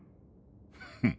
フッ。